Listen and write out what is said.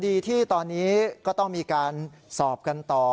คดีที่ตอนนี้ก็ต้องมีการสอบกันต่อ